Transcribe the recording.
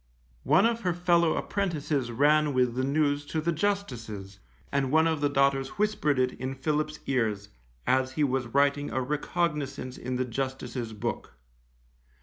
One of her fellow apprentices ran with the news to the Justice's, and one of the daughters whispered it in Philip's ears, as he was writing a recognizance in the Justice's book.